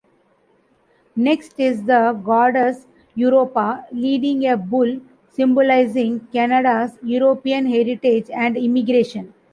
Next is the goddess Europa leading a bull, symbolizing Canada's European heritage and immigration.